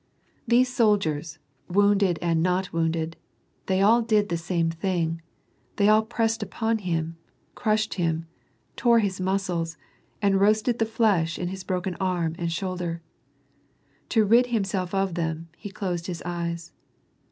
These soldiers, wounded and not wounded, they all did the same thing — they all pressed upon him, crushed him, tore his muscles, and roasted the flesh in his broken arm and shoulder. To rid himself of them, he closed his eyes.